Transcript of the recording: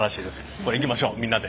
これいきましょうみんなで。